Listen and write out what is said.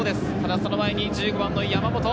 その前に１５番の山本。